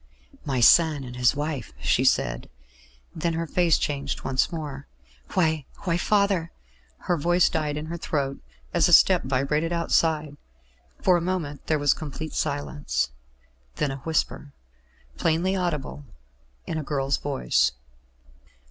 "My son and his wife," she said; then her face changed once more. "Why why, father " Her voice died in her throat, as a step vibrated outside. For a moment there was complete silence; then a whisper, plainly audible, in a girl's voice.